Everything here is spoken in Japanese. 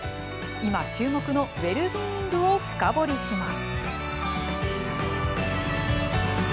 今注目の「ウェルビーイング」を深堀りします。